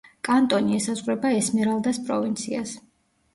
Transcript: კანტონი ესაზღვრება ესმერალდას პროვინციას.